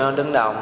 trộm phụ đồ